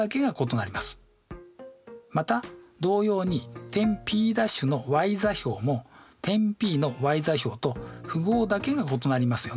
また同様に点Ｐ′のｙ座標も点Ｐのｙ座標と符号だけが異なりますよね。